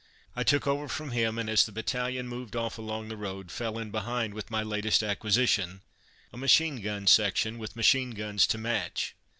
I took over from him, and, as the battalion moved off along the road, fell in behind with my latest acquisition a machine gun section, with machine guns to match.